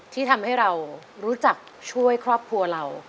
ที่ทำให้เรารู้จักช่วยครอบครัวเรา